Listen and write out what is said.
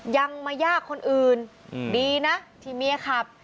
ยังมายากคนอื่นดีนะที่เมียขับ